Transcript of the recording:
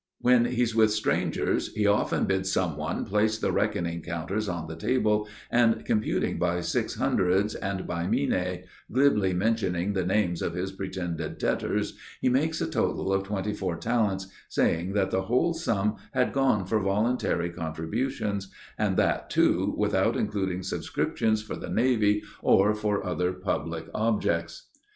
When he's with strangers, he often bids some one place the reckoning counters on the table, and computing by six hundreds and by minae, glibly mentioning the names of his pretended debtors, he makes a total of twenty four talents, saying that the whole sum had gone for voluntary contributions, and that, too, without including subscriptions for the navy or for other public objects.